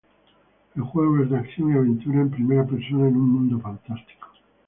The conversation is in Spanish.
El juego es de acción y aventura en primera persona en un mundo fantástico.